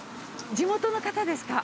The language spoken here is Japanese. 地元の方ですか？